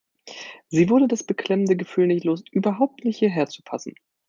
Sie wurde das beklemmende Gefühl nicht los, überhaupt nicht hierher zu passen.